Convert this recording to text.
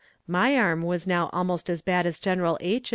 My arm was now almost as bad as General H.'